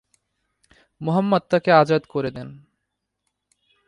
মুহাম্মদ তাকে আজাদ করে দেন।